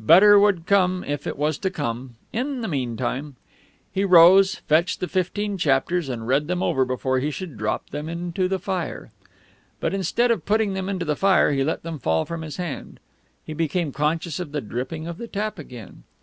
Better would come if it was to come; in the meantime He rose, fetched the fifteen chapters, and read them over before he should drop them into the fire. But instead of putting them into the fire he let them fall from his hand. He became conscious of the dripping of the tap again.